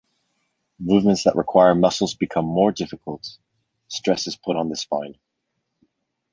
Movements that require muscles become more difficult; stress is put on the spine.